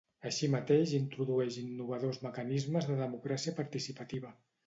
Així mateix introdueix innovadors mecanismes de democràcia participativa.